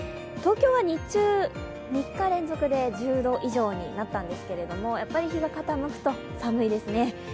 東京は日中、３日連続で１０度以上になったんですけれども、日が傾くと寒いですね。